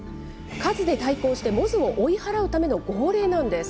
数で対抗してモズを追い払うための号令なんです。